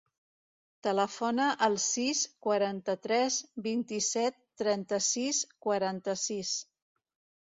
Telefona al sis, quaranta-tres, vint-i-set, trenta-sis, quaranta-sis.